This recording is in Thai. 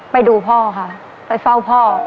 ไปดูพ่อค่ะไปเฝ้าพ่อ